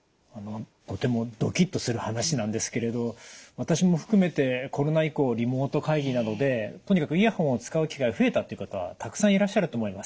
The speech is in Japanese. とてもドキッとする話なんですけれど私も含めてコロナ以降リモート会議などでとにかくイヤホンを使う機会が増えたっていう方たくさんいらっしゃると思います。